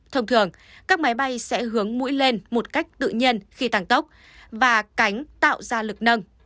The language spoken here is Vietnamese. thông thường các máy bay sẽ hướng mũi lên một cách tự nhiên khi tăng tốc và cánh tạo ra lực nâng